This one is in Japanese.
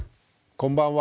こんばんは。